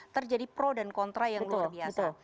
terjadi pro dan kontra yang luar biasa